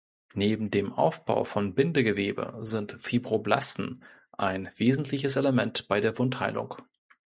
Neben dem Aufbau von Bindegewebe sind Fibroblasten ein wesentliches Element bei der Wundheilung.